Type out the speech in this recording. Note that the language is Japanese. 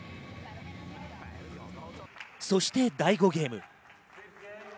そして第５ゲーム。